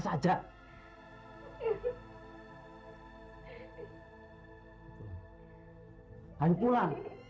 apa aku bilang juga